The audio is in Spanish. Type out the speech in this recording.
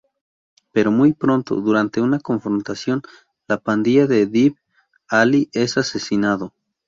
Pero muy pronto, durante una confrontación con la pandilla de Dib, Ali es asesinado.